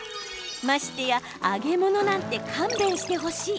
ましてや揚げ物なんて勘弁してほしい！